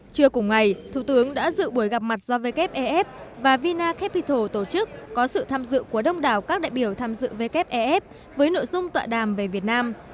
trưa cùng ngày thủ tướng đã dự buổi gặp mặt do wef và vina capital tổ chức có sự tham dự của đông đảo các đại biểu tham dự wef với nội dung tọa đàm về việt nam